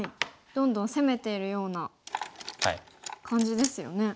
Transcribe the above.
どんどん攻めているような感じですよね。